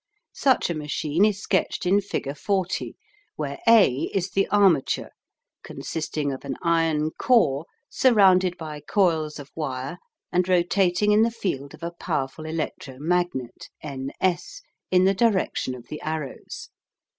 Such a machine is sketched in figure 40, where A is the armature, consisting of an iron core surrounded by coils of wire and rotating in the field of a powerful electro magnet NS in the direction of the arrows.